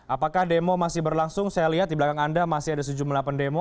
apakah demo masih berlangsung saya lihat di belakang anda masih ada sejumlah pendemo